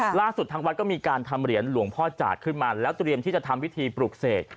ล่าสุดทางวัดก็มีการทำเหรียญหลวงพ่อจาดขึ้นมาแล้วเตรียมที่จะทำพิธีปลูกเสก